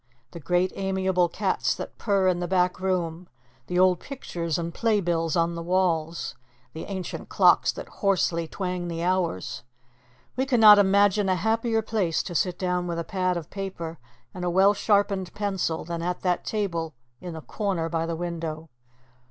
The great amiable cats that purr in the back room. The old pictures and playbills on the walls. The ancient clocks that hoarsely twang the hours. We cannot imagine a happier place to sit down with a pad of paper and a well sharpened pencil than at that table in the corner by the window.